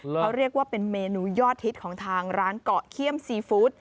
เขาเรียกว่าเป็นเมนูยอดฮิตของทางร้านเกาะเขี้ยมซีฟู้ด